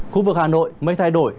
khu vực hà nội mới thay đổi